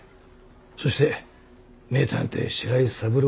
そして名探偵白井三郎への執着。